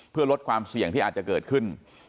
เพื่อลดความเสี่ยงที่อาจจะเกิดขึ้น